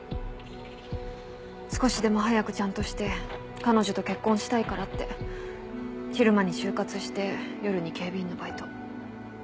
少しでも早くちゃんとして彼女と結婚したいからって昼間に就活して夜に警備員のバイト。